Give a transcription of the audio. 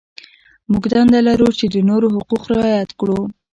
موږ دنده لرو چې د نورو حقوق رعایت کړو.